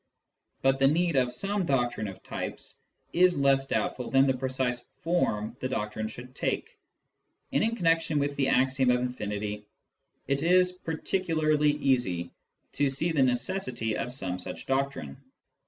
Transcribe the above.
But the need of some doctrine of types is less doubtful than the precise form the doctrine should take ; and in connection with the axiom of infinity it is particularly easy to see the necessity of some such doctrine.